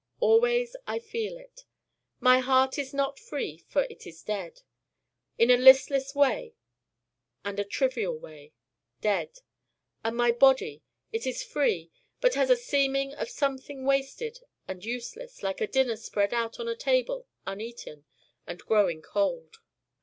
Always I feel it. My Heart is not free for it is dead: in a listless way and a trivial way, dead. And my Body it is free but has a seeming of something wasted and useless like a dinner spread out on a table uneaten and growing cold.